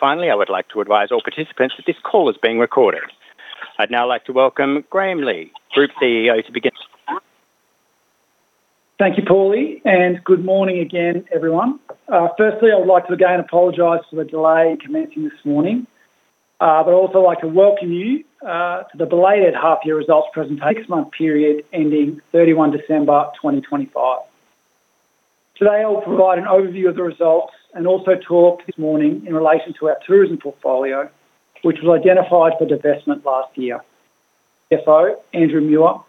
Finally, I would like to advise all participants that this call is being recorded. I'd now like to welcome Graeme Legh, Group CEO, to begin. Thank you, Paulie. Good morning again, everyone. Firstly, I would like to again apologize for the delay in commencing this morning but also like to welcome you to the belated half-year results presentation, six-month period ending 31 December 2025. Today, I'll provide an overview of the results and also talk this morning in relation to our tourism portfolio, which was identified for divestment last year. Andrew Muir,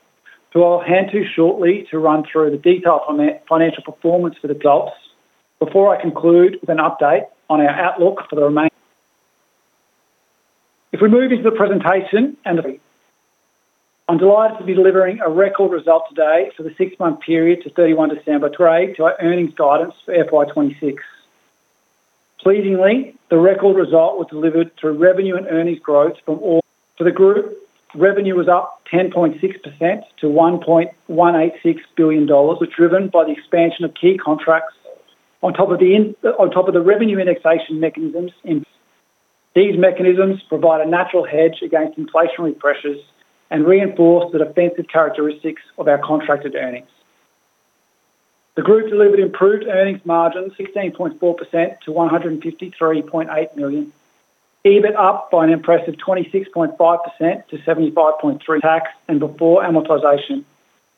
who I'll hand to shortly to run through the detailed financial performance for the adults, before I conclude with an update on our outlook for the remaining. If we move into the presentation, I'm delighted to be delivering a record result today for the six-month period to 31 December, to our earnings guidance for FY 2026. Pleasingly, the record result was delivered through revenue and earnings growth. For the group, revenue was up 10.6% to 1.186 billion dollars, was driven by the expansion of key contracts on top of the revenue indexation mechanisms. These mechanisms provide a natural hedge against inflationary pressures and reinforce the defensive characteristics of our contracted earnings. The group delivered improved earnings margin 16.4% to 153.8 million, EBIT up by an impressive 26.5% to 75.3 million tax and before amortization,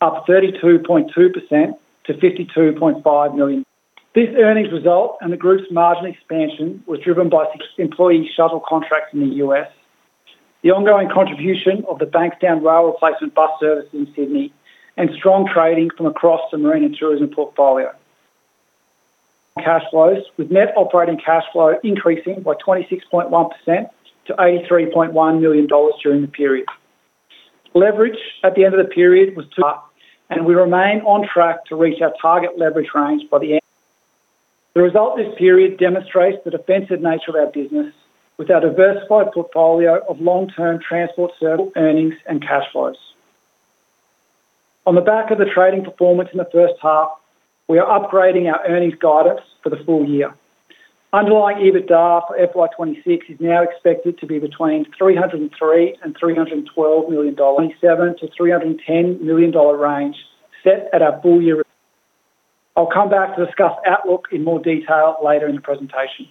up 32.2% to 52.5 million. This earnings result and the group's margin expansion was driven by employee shuttle contracts in the U.S., the ongoing contribution of the Bankstown Rail Replacement Bus Service in Sydney, and strong trading from across the marine and tourism portfolio. Cash flows, with net operating cash flow increasing by 26.1% to 83.1 million dollars during the period. Leverage at the end of the period was up, and we remain on track to reach our target leverage range by the end. The result this period demonstrates the defensive nature of our business with our diversified portfolio of long-term transport service earnings and cash flows. On the back of the trading performance in the first half, we are upgrading our earnings guidance for the full year. Underlying EBITDA for FY 2026 is now expected to be between $303 million and $312 million, $7 million-$310 million range set at our full year. I'll come back to discuss outlook in more detail later in the presentation.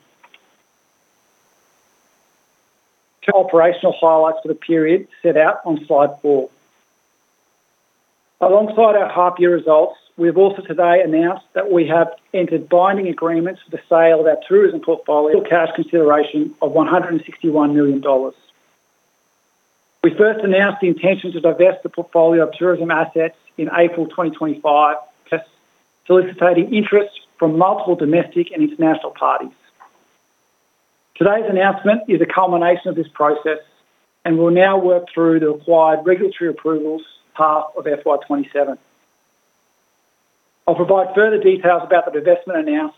Key operational highlights for the period set out on slide four. Alongside our half-year results, we've also today announced that we have entered binding agreements for the sale of our tourism portfolio for cash consideration of $161 million. We first announced the intention to divest the portfolio of tourism assets in April 2025, soliciting interest from multiple domestic and international parties. Today's announcement is a culmination of this process and will now work through the required regulatory approvals, half of FY 2027. I'll provide further details about the divestment announced.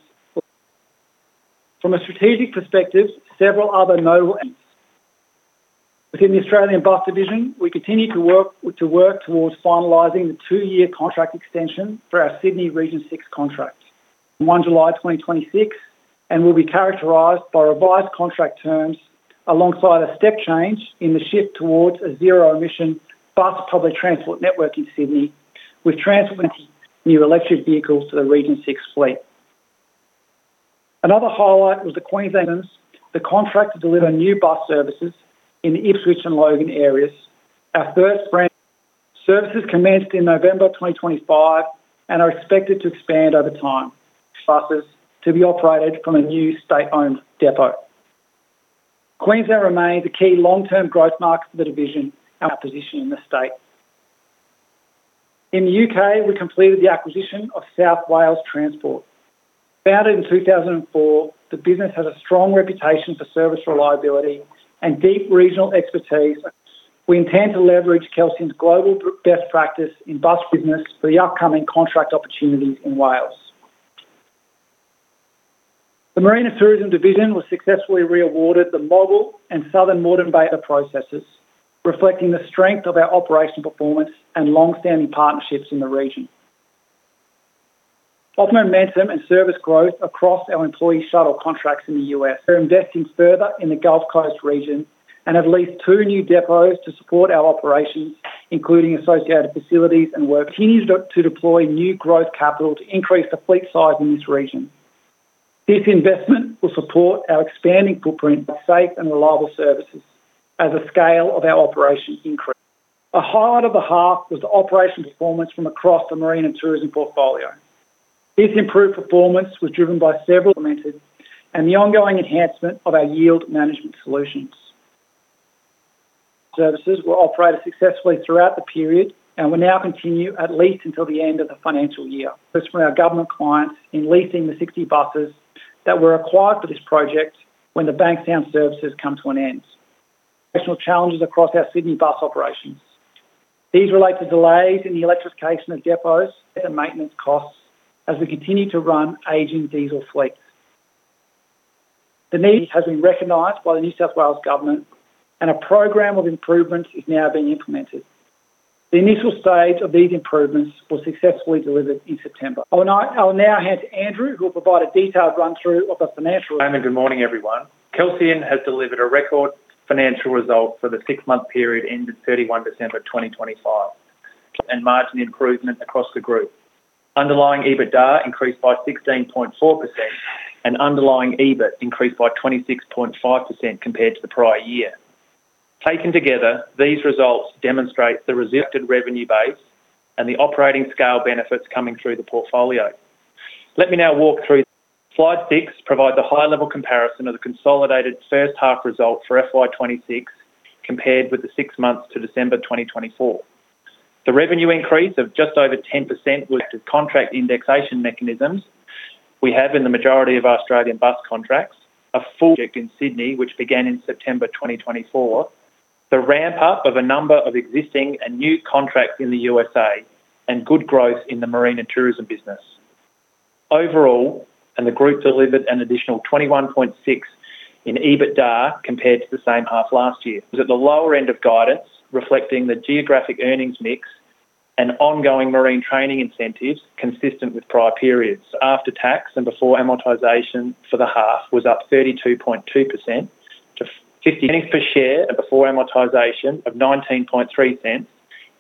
From a strategic perspective, several other notable. Within the Australian Bus Division, we continue to work, to work towards finalizing the two-year contract extension for our Sydney Region 6 contract. 1 July 2026 will be characterized by revised contract terms alongside a step change in the shift towards a zero-emission bus public transport network in Sydney, with transforming new electric vehicles to the Region 6 fleet. Another highlight was the [Queenslanders], the contract to deliver new bus services in Ipswich and Logan areas. Our first brand services commenced in November 2025 and are expected to expand over time, buses to be operated from a new state-owned depot. Queensland remains a key long-term growth market for the division and our position in the state. In the U.K., we completed the acquisition of South Wales Transport. Founded in 2004, the business has a strong reputation for service reliability and deep regional expertise. We intend to leverage Kelsian's global best practice in bus business for the upcoming contract opportunities in Wales. The Marine and Tourism Division was successfully re-awarded the Mobil and Southern Moreton Bay processes, reflecting the strength of our operational performance and long-standing partnerships in the region. Of momentum and service growth across our employee shuttle contracts in the U.S., we're investing further in the Gulf Coast region and have leased two new depots to support our operations, including associated facilities and work, continues to deploy new growth capital to increase the fleet size in this region. This investment will support our expanding footprint, safe and reliable services as the scale of our operations increase. A highlight of the half was the operational performance from across the marine and tourism portfolio. This improved performance was driven by several implemented and the ongoing enhancement of our yield management solutions. Services were operated successfully throughout the period and will now continue at least until the end of the financial year. That's when our government clients in leasing the 60 buses that were acquired for this project when the Bankstown services come to an end. Additional challenges across our Sydney bus operations. These relate to delays in the electric case and of depots and maintenance costs as we continue to run aging diesel fleets. The need has been recognized by the New South Wales Government, and a program of improvement is now being implemented. The initial stage of these improvements were successfully delivered in September. I'll now hand to Andrew, who will provide a detailed run-through of the financial- Good morning, everyone. Kelsian has delivered a record financial result for the six-month period ending 31 December 2025, and margin improvement across the group. Underlying EBITDA increased by 16.4%, and underlying EBIT increased by 26.5% compared to the prior year. Taken together, these results demonstrate the resilient revenue base and the operating scale benefits coming through the portfolio. Let me now walk through. Slide six provides a high-level comparison of the consolidated first half results for FY 2026, compared with the six months to December 2024. The revenue increase of just over 10% was the contract indexation mechanisms we have in the majority of Australian bus contracts, a full effect in Sydney, which began in September 2024. The ramp-up of a number of existing and new contracts in the USA, and good growth in the marine and tourism business. Overall, the group delivered an additional 21.6 in EBITDA compared to the same half last year. Was at the lower end of guidance, reflecting the geographic earnings mix and ongoing marine training incentives consistent with prior periods. After tax and before amortization for the half was up 32.2% to 58 per share and before amortization of 0.193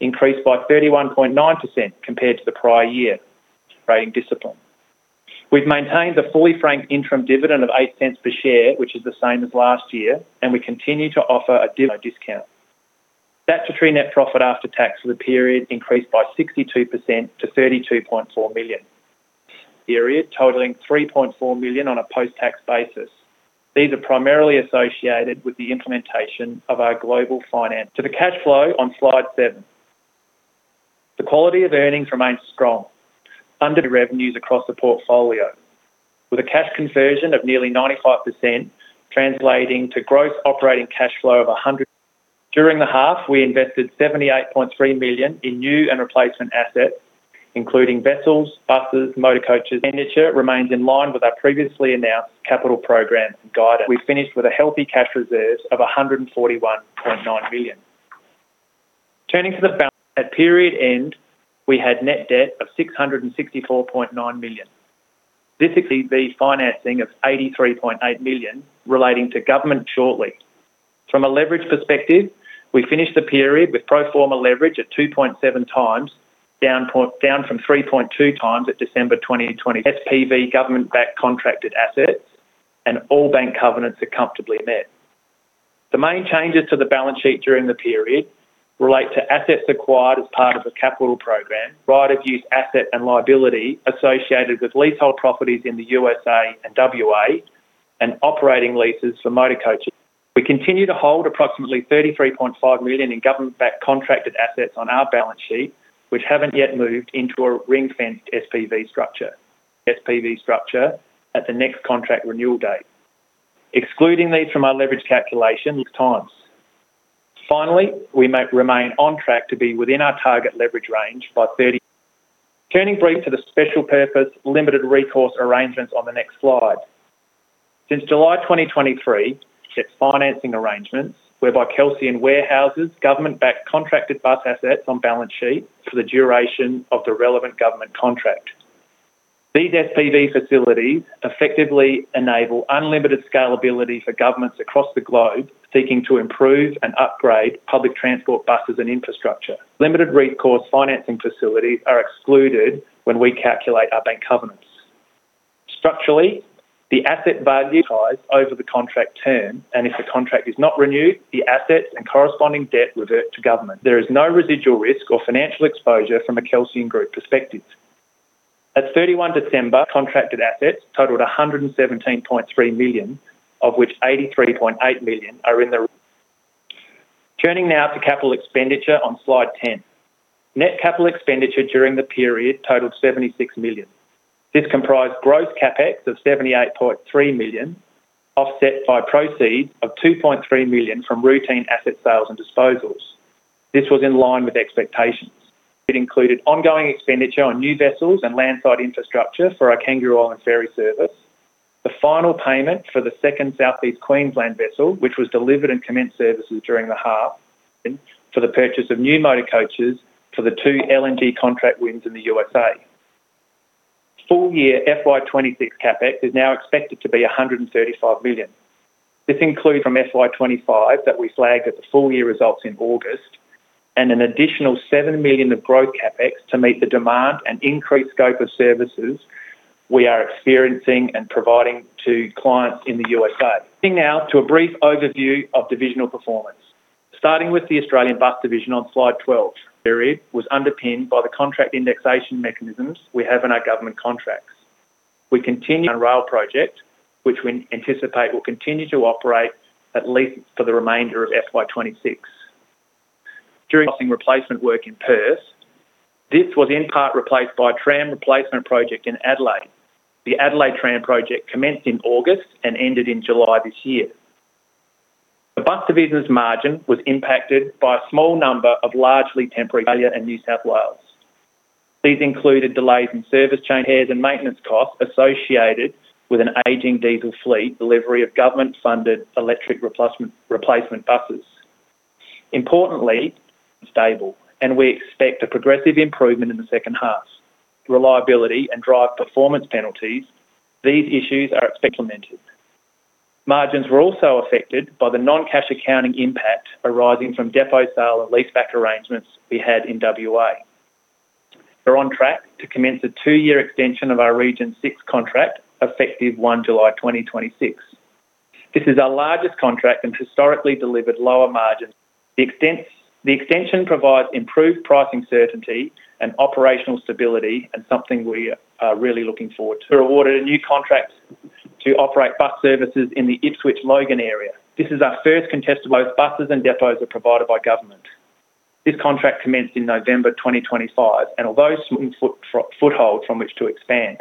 increased by 31.9% compared to the prior year, operating discipline. We've maintained the fully franked interim dividend of 0.08 per share, which is the same as last year, and we continue to offer a dividend discount. That's between net profit after tax for the period increased by 62% to 32.4 million. The period totaling 3.4 million on a post-tax basis. These are primarily associated with the implementation of our global finance. To the cash flow on slide seven. The quality of earnings remains strong under the revenues across the portfolio, with a cash conversion of nearly 95%, translating to gross operating cash flow of 100. During the half, we invested 78.3 million in new and replacement assets, including vessels, buses, motor coaches. Expenditure remains in line with our previously announced capital program and guidance. We finished with a healthy cash reserve of 141.9 million. Turning to the balance, at period end, we had net debt of 664.9 million. This includes the financing of 83.8 million relating to government shortly. From a leverage perspective, we finished the period with pro forma leverage at 2.7x, down from 3.2x at December 2020. SPV government-backed contracted assets and all bank covenants are comfortably met. The main changes to the balance sheet during the period relate to assets acquired as part of a capital program, right of use, asset, and liability associated with leasehold properties in the U.S.A. and WA, and operating leases for motor coaching. We continue to hold approximately 33.5 million in government-backed contracted assets on our balance sheet, which haven't yet moved into a ring-fenced SPV structure. SPV structure at the next contract renewal date. Excluding these from our leverage calculation times. Finally, we may remain on track to be within our target leverage range by 30. Turning briefly to the special purpose limited recourse arrangements on the next slide. Since July 2023, its financing arrangements, whereby Kelsian warehouses government-backed contracted bus assets on balance sheet for the duration of the relevant government contract. These SPV facilities effectively enable unlimited scalability for governments across the globe seeking to improve and upgrade public transport buses and infrastructure. Limited recourse financing facilities are excluded when we calculate our bank covenants. Structurally, the asset value rise over the contract term, and if the contract is not renewed, the assets and corresponding debt revert to government. There is no residual risk or financial exposure from a Kelsian Group perspective. At 31 December, contracted assets totaled 117.3 million, of which 83.8 million are in the. Turning now to capital expenditure on slide 10. Net capital expenditure during the period totaled AUD 76 million. This comprised gross CapEx of AUD 78.3 million, offset by proceeds of AUD 2.3 million from routine asset sales and disposals. This was in line with expectations. It included ongoing expenditure on new vessels and landside infrastructure for our Kangaroo Island ferry service. The final payment for the second Southeast Queensland vessel, which was delivered and commenced services during the half, for the purchase of new motor coaches for the two LNG contract wins in the USA. Full year FY 2026 CapEx is now expected to be 135 million. This includes from FY 2025 that we flagged at the full-year results in August and an additional 7 million of growth CapEx to meet the demand and increased scope of services we are experiencing and providing to clients in the USA. To a brief overview of divisional performance. Starting with the Australian Bus Division on slide 12, was underpinned by the contract indexation mechanisms we have in our government contracts. We continue on a rail project, which we anticipate will continue to operate at least for the remainder of FY 2026. During replacement work in Perth, this was in part replaced by a tram replacement project in Adelaide. The Adelaide tram project commenced in August and ended in July this year. The Bus Division's margin was impacted by a small number of largely temporary- Australia and New South Wales. These included delays in service change, repairs, and maintenance costs associated with an aging diesel fleet, delivery of government-funded electric replacement, replacement buses. Importantly, stable, and we expect a progressive improvement in the second half. Reliability and drive performance penalties, these issues are implemented. Margins were also affected by the non-cash accounting impact arising from depot sale and leaseback arrangements we had in WA. We're on track to commence a two-year extension of our Region 6 contract, effective July 1, 2026. This is our largest contract and historically delivered lower margins. The extension provides improved pricing certainty and operational stability, and something we are really looking forward to. We were awarded a new contract to operate bus services in the Ipswich, Logan area. This is our first contested- Both buses and depots are provided by government. This contract commenced in November 2025, and although some foothold from which to expand.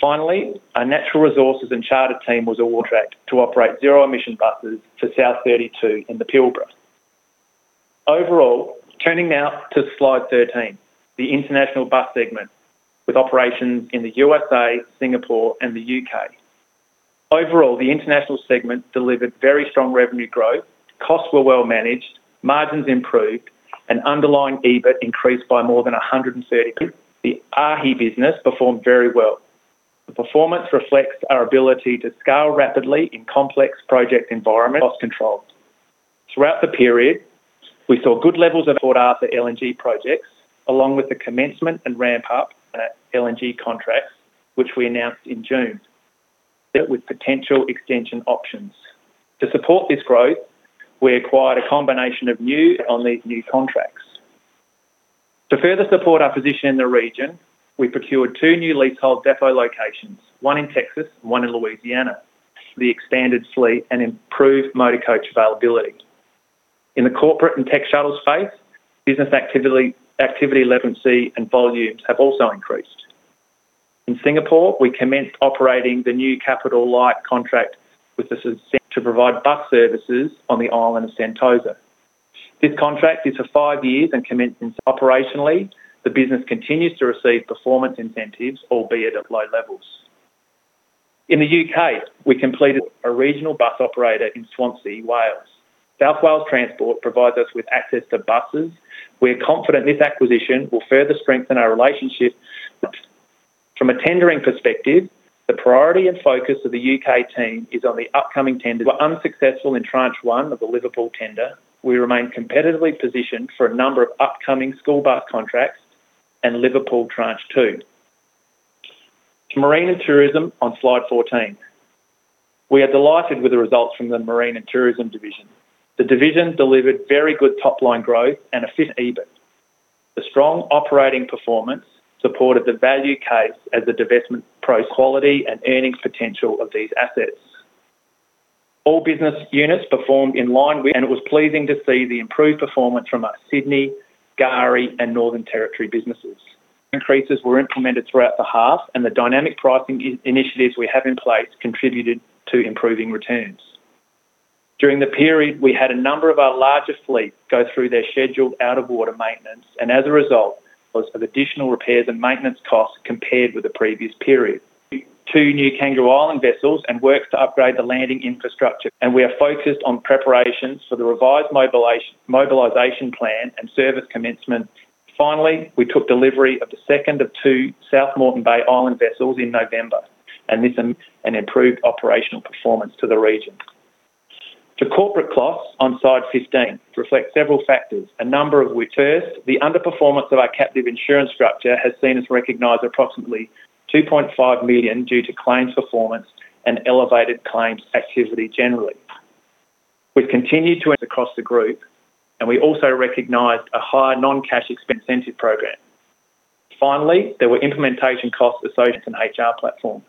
Finally, our natural resources and charter team was awarded to operate zero-emission buses for South32 in the Pilbara. Overall, turning now to slide 13, the International Bus segment, with operations in the USA, Singapore, and the U.K. Overall, the international segment delivered very strong revenue growth. Costs were well managed, margins improved, and underlying EBIT increased by more than 130%. The AAAHI business performed very well. The performance reflects our ability to scale rapidly in complex project environments, cost control. Throughout the period, we saw good levels of Port Arthur LNG projects, along with the commencement and ramp-up of LNG contracts, which we announced in June, that with potential extension options. To support this growth, we acquired a combination of new on these new contracts. To further support our position in the region, we procured two new leasehold depot locations, one in Texas and one in Louisiana, the expanded fleet and improved motor coach availability. In the corporate and tech shuttles space, business activity levels and volumes have also increased. In Singapore, we commenced operating the new capital light contract to provide bus services on the island of Sentosa. This contract is for five years and commenced. Operationally, the business continues to receive performance incentives, albeit at low levels. In the U.K., we completed a regional bus operator in Swansea, Wales. South Wales Transport provides us with access to buses. We are confident this acquisition will further strengthen our relationship. From a tendering perspective, the priority and focus of the U.K. team is on the upcoming tender. We're unsuccessful in tranche one of the Liverpool tender. We remain competitively positioned for a number of upcoming school bus contracts and Liverpool Tranche two. To Marine and Tourism on slide 14. We are delighted with the results from the Marine and Tourism Division. The division delivered very good top-line growth and a fit EBIT. The strong operating performance supported the value case as the divestment pro quality and earnings potential of these assets. All business units performed in line with, it was pleasing to see the improved performance from our Sydney, K'gari, and Northern Territory businesses. Increases were implemented throughout the half, the dynamic pricing initiatives we have in place contributed to improving returns. During the period, we had a number of our larger fleet go through their scheduled out-of-water maintenance, as a result, of additional repairs and maintenance costs compared with the previous period. Two new Kangaroo Island vessels and works to upgrade the landing infrastructure, we are focused on preparations for the revised mobilization plan and service commencement. Finally, we took delivery of the second of two South Moreton Bay Island Vessels in November, this an improved operational performance to the region. To corporate costs on slide 15, reflect several factors, a number of which, first, the underperformance of our captive insurance structure has seen us recognize approximately 2.5 million due to claims performance and elevated claims activity generally. We've continued to across the group, we also recognized a higher non-cash expense incentive program. Finally, there were implementation costs associated with an HR platform.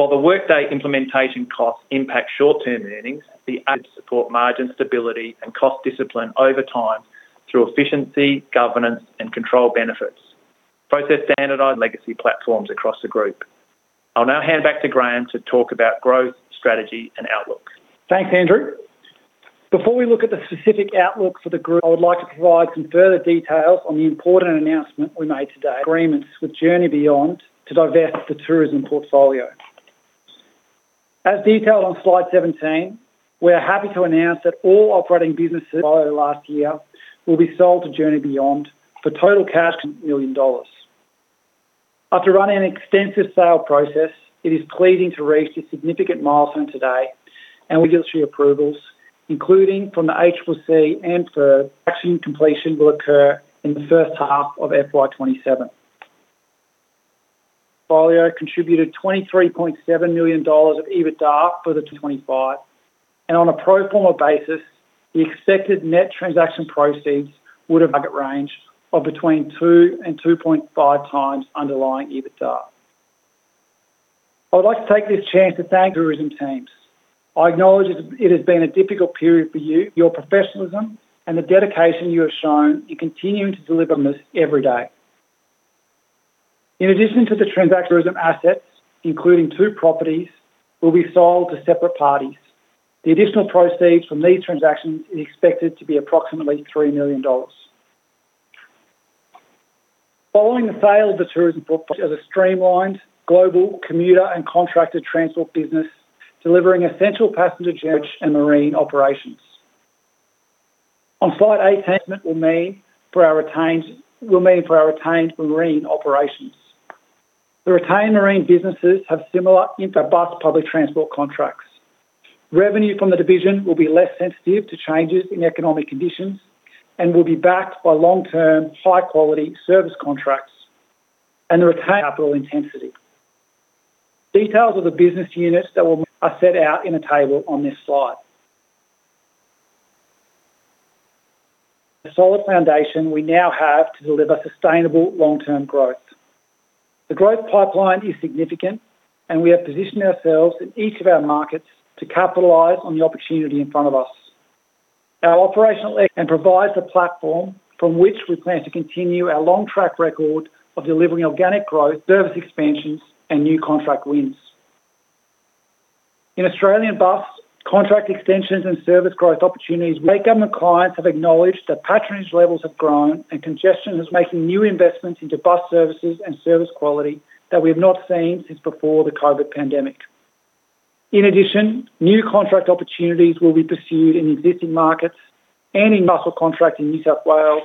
While the Workday implementation costs impact short-term earnings, the support margin stability and cost discipline over time through efficiency, governance, and control benefits. Both are standardized legacy platforms across the group. I'll now hand back to Graeme to talk about growth, strategy, and outlook. Thanks, Andrew. Before we look at the specific outlook for the group, I would like to provide some further details on the important announcement we made today, agreements with Journey Beyond to divest the tourism portfolio. As detailed on slide 17, we are happy to announce that all operating businesses last year will be sold to Journey Beyond for total cash million dollars. After running an extensive sale process, it is pleasing to reach this significant milestone today, and we get three approvals, including from the ACCC and FIRB. Transaction completion will occur in the first half of FY 2027. Folio contributed 23.7 million dollars of EBITDA for FY 2025, and on a pro forma basis, the expected net transaction proceeds would have a range of between 2x and 2.5x underlying EBITDA. I'd like to take this chance to thank the tourism teams. I acknowledge it, it has been a difficult period for you, your professionalism, and the dedication you have shown in continuing to deliver this every day. In addition to the tourism assets, including two properties, will be sold to separate parties. The additional proceeds from these transactions is expected to be approximately 3 million dollars. Following the sale of the tourism portfolio as a streamlined global commuter and contracted transport business, delivering essential passenger carriage and marine operations. Onsite attachment will mean for our retained marine operations. The retained marine businesses have similar infra bus public transport contracts. Revenue from the division will be less sensitive to changes in economic conditions and will be backed by long-term, high-quality service contracts and the retained capital intensity. Details of the business units that are set out in a table on this slide. The solid foundation we now have to deliver sustainable long-term growth. The growth pipeline is significant, and we have positioned ourselves in each of our markets to capitalize on the opportunity in front of us. Our operational-- and provides a platform from which we plan to continue our long track record of delivering organic growth, service expansions and new contract wins. In Australian bus, contract extensions and service growth opportunities, many government clients have acknowledged that patronage levels have grown and congestion is making new investments into bus services and service quality that we have not seen since before the COVID pandemic. In addition, new contract opportunities will be pursued in existing markets and in bus contracts in New South Wales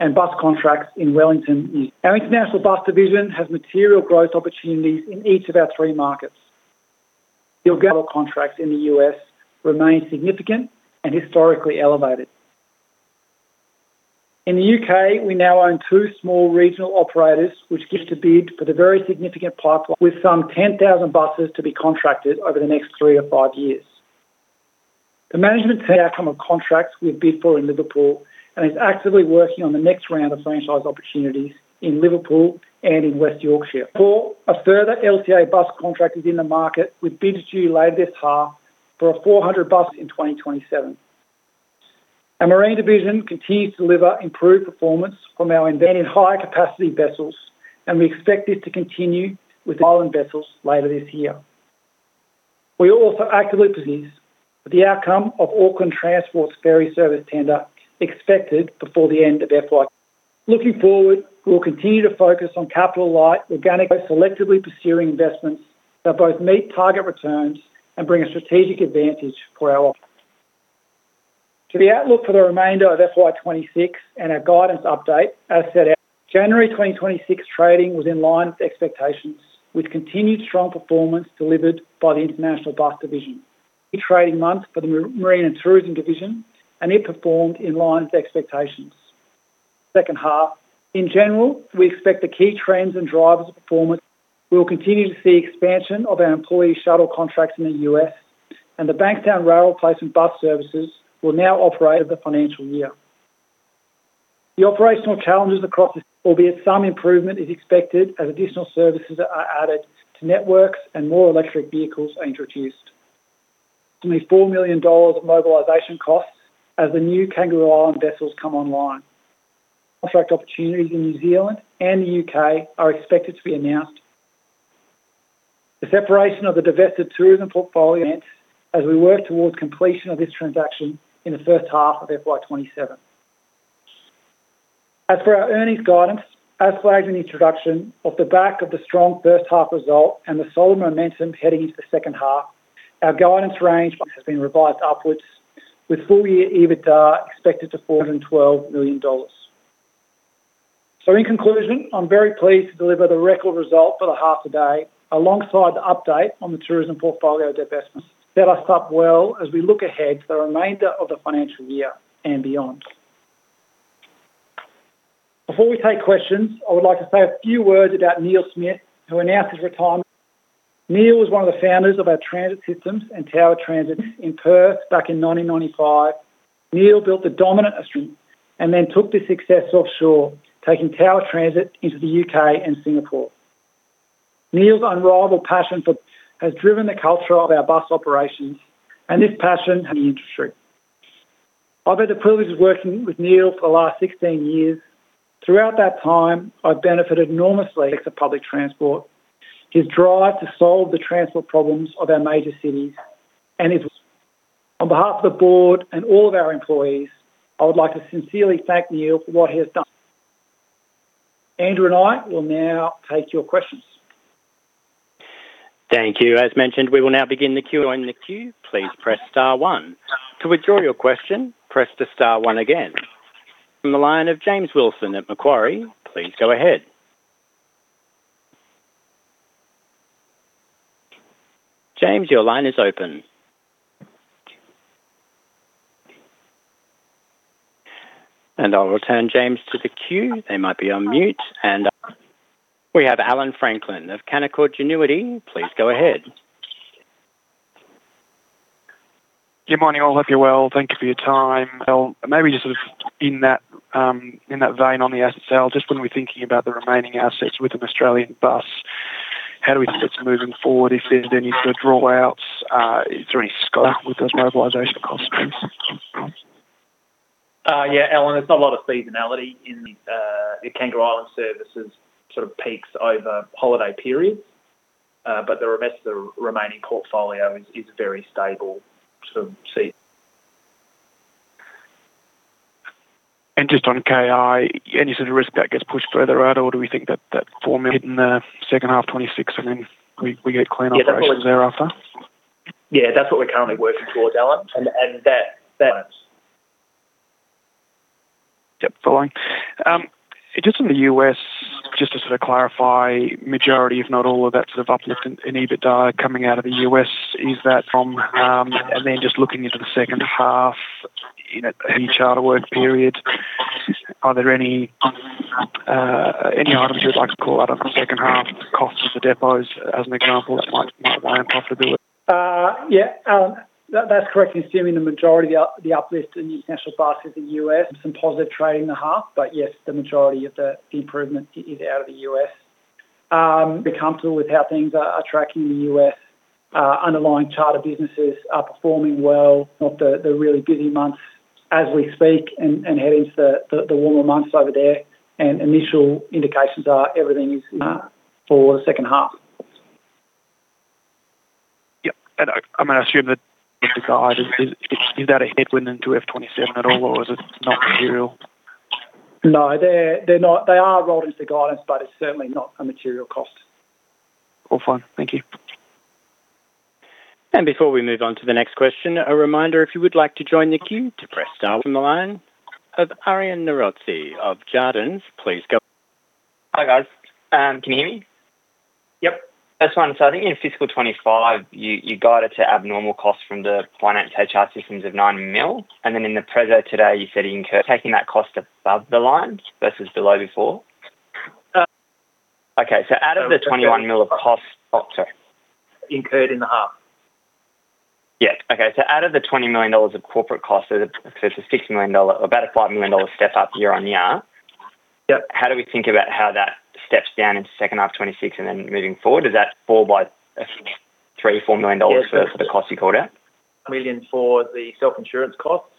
and bus contracts in Wellington. Our international bus division has material growth opportunities in each of our three markets. The oral contracts in the U.S. remain significant and historically elevated. In the U.K., we now own two small regional operators, which gives to bid for the very significant pipeline, with some 10,000 buses to be contracted over the next three to five years. The management team outcome of contracts with bid for in Liverpool and is actively working on the next round of franchise opportunities in Liverpool and in West Yorkshire. For a further LTA bus contract is in the market, with bids due later this half for a 400 buses in 2027. Our Marine Division continues to deliver improved performance from our investing in higher capacity vessels, and we expect this to continue with island vessels later this year. We also actively possess the outcome of Auckland Transport's ferry service tender, expected before the end of FY. Looking forward, we will continue to focus on capital-light, organic, selectively pursuing investments that both meet target returns and bring a strategic advantage for our... To the outlook for the remainder of FY 2026 and our guidance update, as set out, January 2026 trading was in line with expectations, with continued strong performance delivered by the International Bus Division. The trading month for the Marine and Tourism Division. It performed in line with expectations. Second half, in general, we expect the key trends and drivers of performance. We will continue to see expansion of our employee shuttle contracts in the US. The Bankstown rail replacement bus services will now operate the financial year. The operational challenges across, albeit some improvement is expected as additional services are added to networks and more electric vehicles are introduced. To me, 4 million dollars of mobilization costs as the new Kangaroo Island vessels come online. Contract opportunities in New Zealand and the U.K. are expected to be announced. The separation of the divested tourism portfolio, as we work towards completion of this transaction in the first half of FY 2027. As for our earnings guidance, as flagged in the introduction, off the back of the strong first half result and the solid momentum heading into the second half, our guidance range has been revised upwards, with full-year EBITDA expected to 412 million dollars. In conclusion, I'm very pleased to deliver the record result for the half today, alongside the update on the tourism portfolio divestment. Set us up well as we look ahead to the remainder of the financial year and beyond. Before we take questions, I would like to say a few words about Neil Smith, who announced his retirement. Neil was one of the founders of our Transit Systems and Tower Transit in Perth back in 1995. Neil built the dominant Australian and then took this success offshore, taking Tower Transit into the U.K. and Singapore. Neil's unrivaled passion for has driven the culture of our bus operations and this passion in the industry. I've had the privilege of working with Neil for the last 16 years. Throughout that time, I've benefited enormously the public transport, his drive to solve the transport problems of our major cities and his- On behalf of the board and all of our employees, I would like to sincerely thank Neil for what he has done. Andrew and I will now take your questions. Thank you. As mentioned, we will now begin the Q&A. In the queue, please press star one. To withdraw your question, press the star one again. From the line of James Wilson at Macquarie, please go ahead. James, your line is open. I'll return James to the queue. They might be on mute. We have Allan Franklin of Canaccord Genuity. Please go ahead. Good morning, all. Hope you're well. Thank you for your time. Well, maybe just sort of in that, in that vein, on the asset sale, just when we're thinking about the remaining assets with an Australian Bus, how do we think it's moving forward, if there's any sort of draw outs, during with those mobilization cost streams? Yeah, Allan, there's not a lot of seasonality in the, the Kangaroo Island services, sort of peaks over holiday periods, but the rest of the remaining portfolio is, is very stable, sort of see. Just on KI, any sort of risk that gets pushed further out, or do we think that that format in the second half of 2026, and then we get clean operations thereafter? Yeah, that's what we're currently working towards, Allan. Yep, following. Just in the U.S., just to sort of clarify, majority, if not all of that sort of uplift in, in EBITDA coming out of the U.S., is that from? Then just looking into the second half in a heavy charter work period, are there any items you'd like to call out of the second half costs of the depots, as an example, might, might want possibly? Yeah, that's correct. Assuming the majority of the uplift in national buses in the U.S., some positive trade in the half. Yes, the majority of the improvement is out of the U.S. We're comfortable with how things are tracking in the U.S. Underlying charter businesses are performing well, not the really busy months as we speak and head into the warmer months over there. Initial indications are everything is for the second half. Yep, I'm going to assume that the guide, is that a headwind into FY 2027 at all, or is it not material? No, they're, they're not. They are rolled into the guidance, but it's certainly not a material cost. All fine. Thank you. Before we move on to the next question, a reminder, if you would like to join the queue, to press star on the line of Aryan Norozi of Jarden, please go. Hi, guys. Can you hear me? Yep. That's fine. I think in fiscal 2025, you guided to abnormal costs from the finance HR systems of 9 million, and then in the preso today, you said you incur taking that cost above the line versus below before. Uh- Okay, out of the 21 million of cost, oh, sorry. Incurred in the half. Yeah. Okay, so out of the 20 million dollars of corporate costs, so it's a 60 million dollar, about a 5 million dollar step-up year-on-year. Yep. How do we think about how that steps down into second half of FY 2026 and then moving forward, does that fall by 3 million-4 million dollars for the costs you called out? million for the self-insurance costs,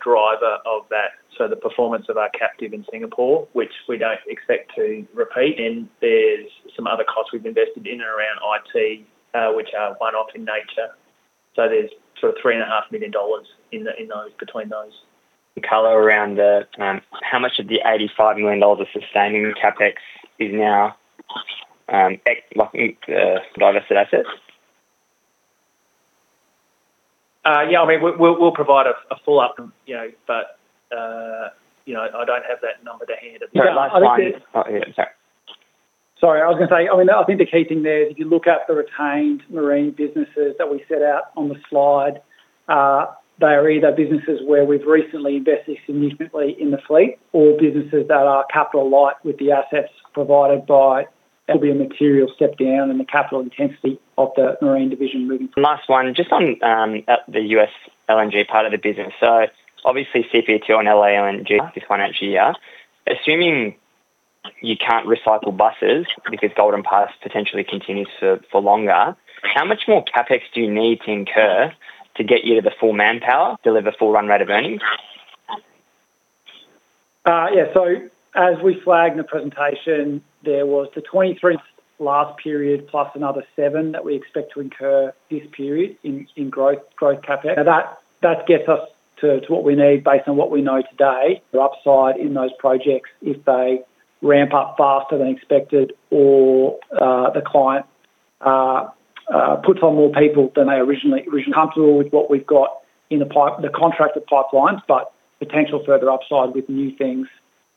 driver of that, so the performance of our captive in Singapore, which we don't expect to repeat, and there's some other costs we've invested in and around IT, which are one-off in nature. There's sort of 3.5 million dollars in the, in those, between those. Color around the how much of the 85 million dollars of sustaining CapEx is now divided to assets? Yeah, I mean, we'll provide a full update, you know, but, you know, I don't have that number to hand it. Last one. Oh, yeah, sorry. Sorry, I was going to say, I mean, I think the key thing there is if you look at the retained marine businesses that we set out on the slide, they are either businesses where we've recently invested significantly in the fleet or businesses that are capital light, with the assets provided by... It'll be a material step down in the capital intensity of the marine division moving- Last one, just on, at the U.S. LNG part of the business. Obviously, CP2 on LA LNG this financial year, assuming you can't recycle buses because Golden Pass potentially continues for, for longer, how much more CapEx do you need to incur to get you to the full manpower, deliver full run rate of earnings? Yeah, as we flagged in the presentation, there was the 23 last period, plus another 7 that we expect to incur this period in, in growth, growth CapEx. That, that gets us to, to what we need based on what we know today. The upside in those projects, if they ramp up faster than expected or the client puts on more people than they originally. Comfortable with what we've got in the pipe, the contracted pipelines, but potential further upside with new things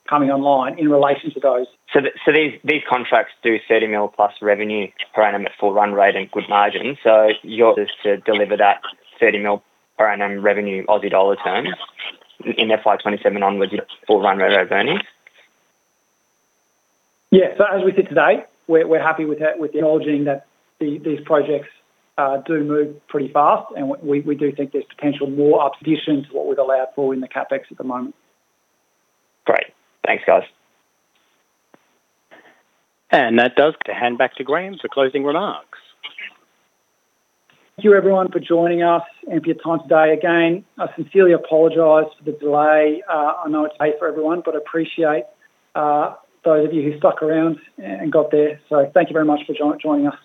coming online in relation to those. These, these contracts do 30 million plus revenue per annum at full run rate and good margin. Yours is to deliver that 30 million per annum revenue, Aussie dollar terms, in FY 2027 onwards full run rate of earnings? Yeah. As we sit today, we're, we're happy with that, with acknowledging that these, these projects do move pretty fast, and we, we do think there's potential more upside addition to what we've allowed for in the CapEx at the moment. Great. Thanks, guys. That does. I hand back to Graeme for closing remarks. Thank you, everyone, for joining us and for your time today. Again, I sincerely apologize for the delay. I know it's late for everyone, but I appreciate those of you who stuck around and got there. Thank you very much for joining us. Thank you.